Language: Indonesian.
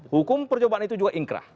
hukum percobaan itu juga ingkrah